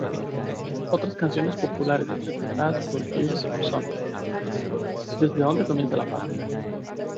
Otras canciones populares interpretadas por Jil son "¿Desde dónde comienza la Patria?